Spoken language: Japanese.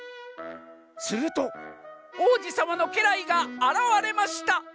「するとおうじさまのけらいがあらわれました」。